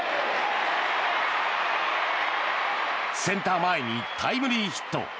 センター前にタイムリーヒット。